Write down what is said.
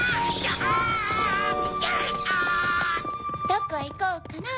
どこいこうかな？